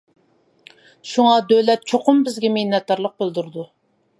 شۇڭا دۆلەت چوقۇم بىزگە مىننەتدارلىق بىلدۈرىدۇ.